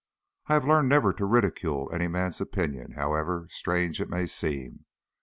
I have learned never to ridicule any man's opinion, however strange it may seem.